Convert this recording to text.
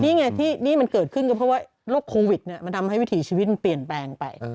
นี่ไงที่นี่มันเกิดขึ้นก็เพราะว่าโรคโควิดมันทำให้วิถีชีวิตมันเปลี่ยนแปลงไป